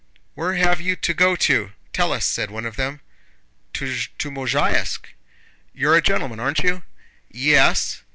"Where have you to go to? Tell us!" said one of them. "To Mozháysk." "You're a gentleman, aren't you?" "Yes."